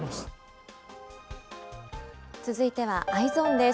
続いてはＥｙｅｓｏｎです。